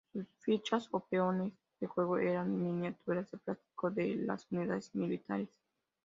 Sus fichas o peones de juego eran miniaturas de plástico de las unidades militares.